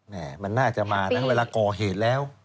แน่มันน่าจะมานะเวลาก่อเหตุแล้ว